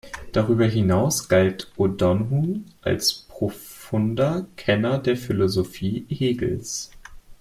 Darüber hinaus galt O’Donohue als profunder Kenner der Philosophie Hegels.